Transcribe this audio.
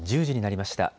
１０時になりました。